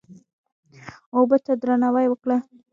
اوبه ته درناوی وکړه.